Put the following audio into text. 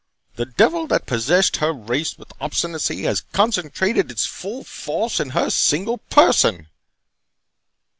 The devil, that possessed her race with obstinacy, has concentrated its full force in her single person!"